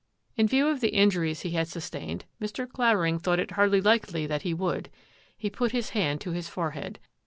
In view of the injuries he had sustained, Mr. Clavering thought it hardly likely that he would. He put his hand to his forehead.